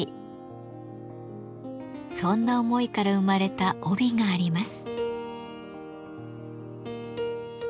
そんな思いから生まれた帯があります。